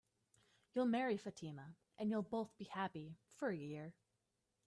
You'll marry Fatima, and you'll both be happy for a year.